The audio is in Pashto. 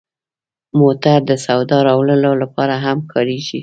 موټر د سودا راوړلو لپاره هم کارېږي.